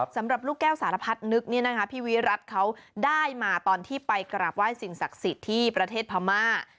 สำหรับลูกแก้วสารพัดนึกเนี่ยนะคะพี่วิรัติเขาได้มาตอนที่ไปกราบไหว้สิ่งศักดิ์สิทธิ์ที่ประเทศพม่า